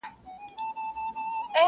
مور او پلار دواړه مات او کمزوري پاته کيږي,